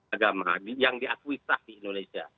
agama yang diakuisah di indonesia